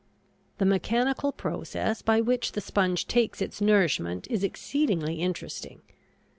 The mechanical process by which the sponge takes its nourishment is exceedingly interesting.